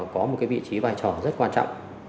có một vị trí vai trò rất quan trọng